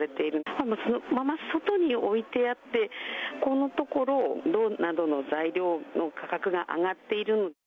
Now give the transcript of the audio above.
たぶんそのまま外に置いてあって、このところ、銅などの材料の価格が上がっている。